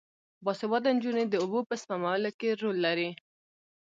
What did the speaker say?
باسواده نجونې د اوبو په سپمولو کې رول لري.